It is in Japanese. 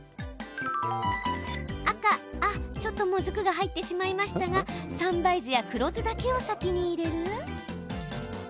赤・ちょっともずくが入ってしまいましたが三杯酢や黒酢だけを先に入れる？